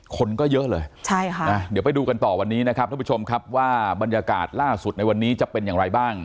คนก็เยอะเลยใช่ค่ะนะเดี๋ยวไปดูกันต่อวันนี้นะครับท่านผู้ชมครับว่าบรรยากาศล่าสุดในวันนี้จะเป็นอย่างไรบ้าง